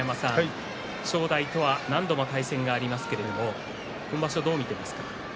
正代とは何度も対戦がありますけれども今場所、どう見ていますか？